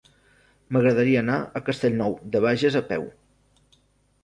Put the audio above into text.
M'agradaria anar a Castellnou de Bages a peu.